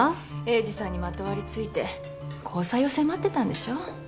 栄治さんにまとわりついて交際を迫ってたんでしょう？